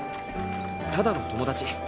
ただの友達。